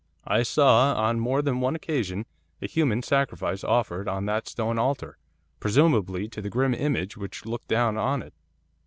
I saw, on more than one occasion, a human sacrifice offered on that stone altar, presumably to the grim image which looked down on it.